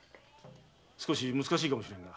少し難しいかもしれんが。